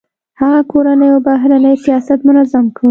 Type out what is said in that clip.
هغه کورنی او بهرنی سیاست منظم کړ.